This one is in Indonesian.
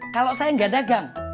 kalau saya enggak dagang